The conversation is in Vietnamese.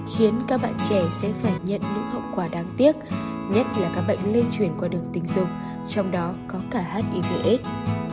khiến các bạn trẻ sẽ phải nhận những hậu quả đáng tiếc nhất là các bệnh lây chuyển qua đường tình dục trong đó có cả hivs